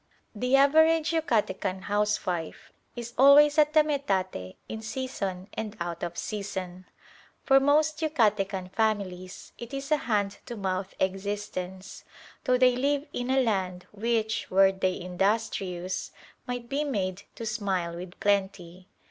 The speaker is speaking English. The average Yucatecan housewife is always at the metate in season and out of season. For most Yucatecan families it is a hand to mouth existence, though they live in a land which, were they industrious, might be made to "smile with plenty."